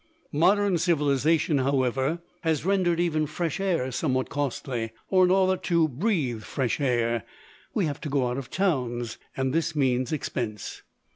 Modern civilisation, however, has rendered even fresh air somewhat costly, for, in order to breathe fresh air, we have to go out of towns, and this means expense.